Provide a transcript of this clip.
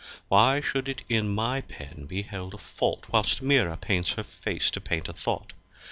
Why shou'd it in my Pen be held a fault Whilst Mira paints her face, to paint a thought?